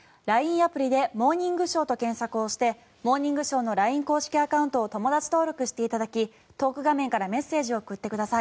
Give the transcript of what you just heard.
アプリで「モーニングショー」と検索をして「モーニングショー」のＬＩＮＥ公式アカウントを友だち登録していただきトーク画面からメッセージを送ってください。